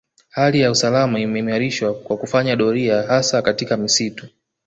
Hali ya usalama imeimarishwa kwa kufanya doria hasa katika misitu